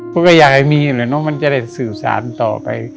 ก็ไม่อยากให้มีแหละเนอะมันจะได้สื่อสารต่อไป